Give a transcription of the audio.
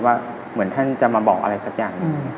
ว่าเหมือนท่านจะมาบอกอะไรสักอย่าง